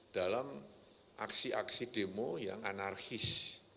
dalam aksi aksi demo yang anarkis